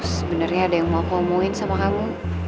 sebenernya ada yang mau aku omoin sama kamu